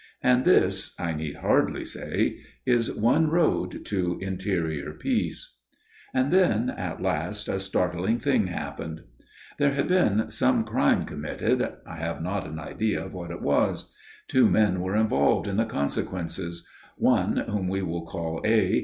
And this, I need hardly say, is one road to interior peace. "And then at last a startling thing happened. "There had been some crime committed: I have not an idea what it was. Two men were involved in the consequences. One, whom we will call A.